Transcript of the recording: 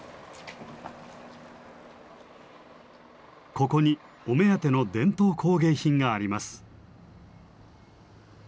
ここにお目当ての伝統工芸品があります。